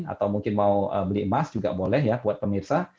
atau mungkin mau beli emas juga boleh ya buat pemirsa